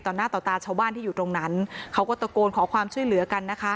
หน้าต่อตาชาวบ้านที่อยู่ตรงนั้นเขาก็ตะโกนขอความช่วยเหลือกันนะคะ